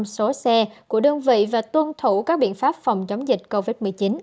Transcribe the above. số xe của đơn vị và tuân thủ các biện pháp phòng chống dịch covid một mươi chín